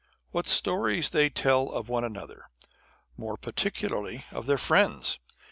What stories they tell of one another, more particularly of their friends